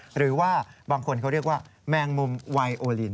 หรือว่าบางคนเขาเรียกว่าแมงมุมไวโอลิน